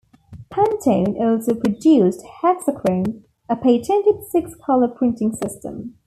Pantone also produced Hexachrome, a patented six-color printing system.